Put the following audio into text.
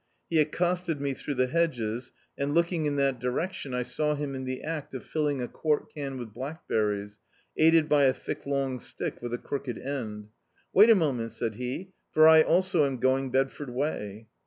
He accosted me through the hedges and, look ing in that direction, I saw him in the act of filling a quart can with blackberries, aided by a thick long stick with a crooked end. "Wait a moment," said he, "for I also am going Bedford way."